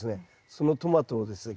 そのトマトをですね